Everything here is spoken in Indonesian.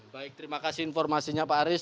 baik terima kasih informasinya pak aris